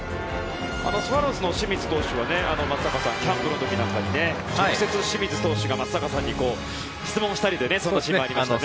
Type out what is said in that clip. スワローズの清水投手はキャンプの時なんかに直接松坂さんに質問したりというシーンもありましたね。